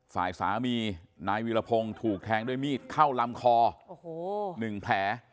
ฝ่ายสามีนายวีรพงศ์ถูกแทงด้วยมีดเข้าลำคอ๑แผล